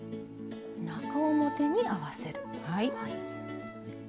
中表に合わせる。